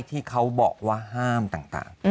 ที่เขาบอกว่าห้ามต่าง